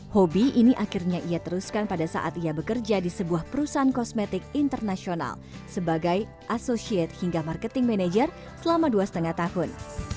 hobi ini akhirnya ia teruskan pada saat ia bekerja di sebuah perusahaan kosmetik internasional sebagai associate hingga marketing manager selama dua lima tahun